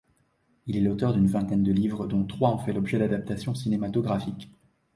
Il est l'auteur d'une vingtaine de livres, dont trois ont fait l'objet d'adaptations cinématographiques.